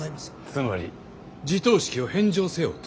つまり地頭職を返上せよと。